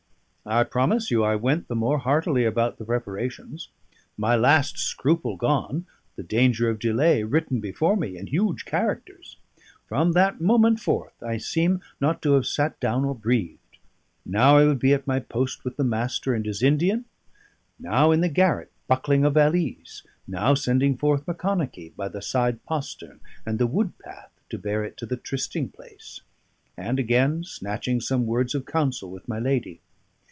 I promise you, I went the more heartily about the preparations; my last scruple gone, the danger of delay written before me in huge characters. From that moment forth I seem not to have sat down or breathed. Now I would be at my post with the Master and his Indian; now in the garret buckling a valise; now sending forth Macconochie by the side postern and the wood path to bear it to the trysting place; and, again, snatching some words of counsel with my lady.